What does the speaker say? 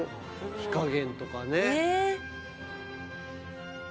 火加減とかね。